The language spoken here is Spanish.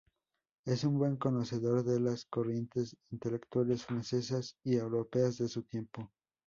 Es un buen conocedor de las corrientes intelectuales francesas y europeas de su tiempo.